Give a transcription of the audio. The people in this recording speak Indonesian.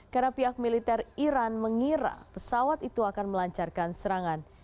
karena pihak militer iran mengira pesawat itu akan melancarkan serangan